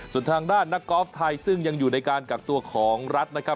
ส่วนทางด้านนักกอล์ฟไทยซึ่งยังอยู่ในการกักตัวของรัฐนะครับ